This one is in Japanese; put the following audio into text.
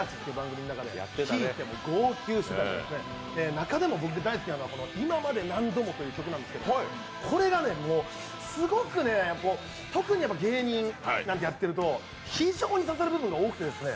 中でも僕、大好きなのは「今まで何度も」という曲なんですけどこれがもう、すごくね特に芸人なんてやってると非常に刺さる部分が多くてですね。